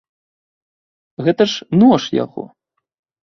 Гэта ж нож яго.